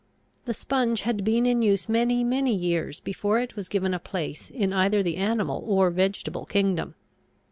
The sponge had been in use many, many years before it was given a place in either the animal or vegetable kingdom.